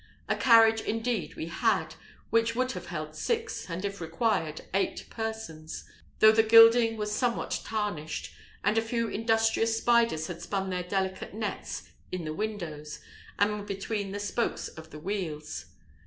A carriage, indeed, we had, which would have held six, and if required, eight persons; though the gilding was somewhat tarnished, and a few industrious spiders had spun their delicate nets in the windows, and between the spokes of the wheels.